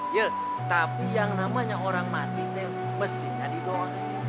iya tapi yang namanya orang mati nel mestinya didoan